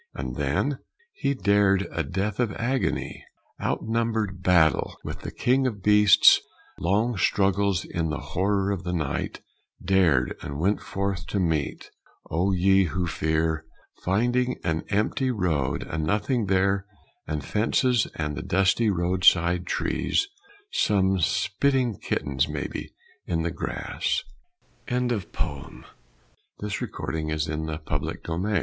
And then ? He dared a death of agony Outnumbered battle with the king of beasts Long struggles in the horror of the night Dared, and went forth to meet O ye who fear! Finding an empty road, and nothing there And fences, and the dusty roadside trees Some spitting kittens, maybe, in the grass. Charlotte Perkins Gilman. From "In This Our World."